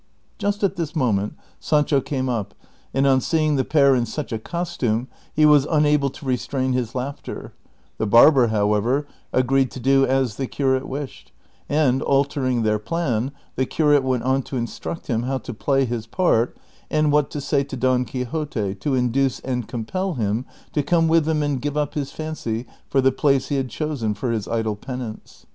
Just at this moment Sancho came up, and on seeing the pair in such a costume he was unable to re strain his laughter ; the barber, however, agreed to do as the curate wished, and, altering their plan, the curate went on to instruct him how to play his part and what to say to Don Qui xote to induce and compel him to come with them and give up his fancy for the place he had chosen for his idle penance.